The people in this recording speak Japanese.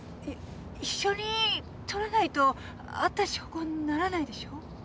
一緒に撮らないと会った証拠にならないでしょ。